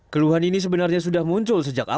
keluhan ini sebenarnya sudah muncul sejak tahun dua ribu